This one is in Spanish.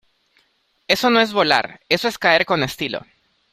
Eso no es volar. Eso es caer con estilo .